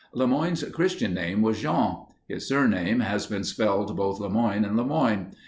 LeMoyne's Christian name was Jean. His surname has been spelled both Lemoigne and Lemoine.